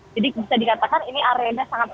jadi bisa dikatakan ini arena sangat